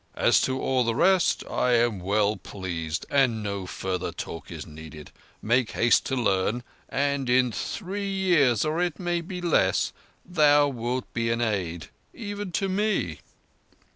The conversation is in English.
As to all the rest, I am well pleased, and no further talk is needed. Make haste to learn, and in three years, or it may be less, thou wilt be an aid—even to me."